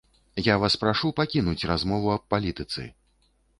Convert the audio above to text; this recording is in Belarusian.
Я вас прашу пакінуць размову аб палітыцы!